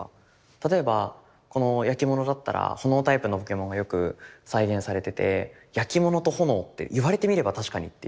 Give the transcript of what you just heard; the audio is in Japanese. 例えばこの焼き物だったらほのおタイプのポケモンがよく再現されてて焼き物と炎っていわれてみれば確かにっていう。